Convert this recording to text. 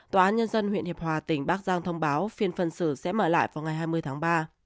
tòa án nhân dân huyện hiệp hòa tỉnh bắc giang thông báo phiên phân xử sẽ mở lại vào ngày hai mươi tháng ba